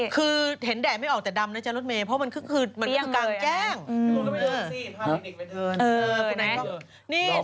คือเห็นแดดไม่ออกแต่ดำนะจ๊ะรถเมย์เพราะมันคือมันก็คือกลางแจ้ง